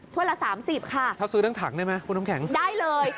ทุ่นละสามสิบค่ะถ้าซื้อต้นหังได้ไหมปืนน้ำแข็งได้เลย